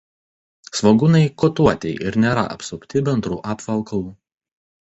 Svogūnai kotuoti ir nėra apsupti bendru apvalkalu.